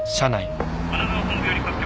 神奈川本部より各局。